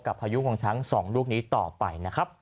พายุของทั้งสองลูกนี้ต่อไปนะครับ